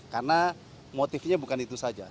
karena motifnya bukan itu saja